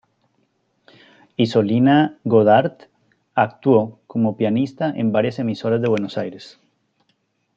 Isolina Godard actuó como pianista en varias emisoras de Buenos Aires.